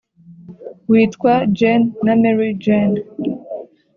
witwa jane na mary jane,